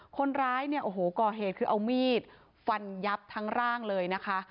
คนร้ายเนี่ยโอ้โหก่อเหตุคือเอามีดฟันยับทั้งร่างเลยนะคะ